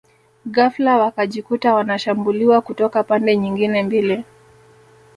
Ghafla wakajikuta wanashambuliwa kutoka pande nyingine mbili